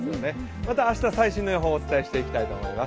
また、明日、最新の予想をお伝えしていきたいと思います。